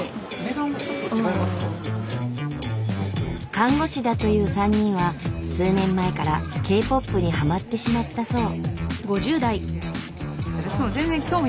看護師だという３人は数年前からＫ−ＰＯＰにはまってしまったそう。